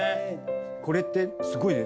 これってすごいね。